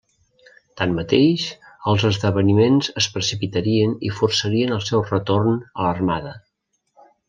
Tanmateix els esdeveniments es precipitarien i forçarien el seu retorn a l'armada.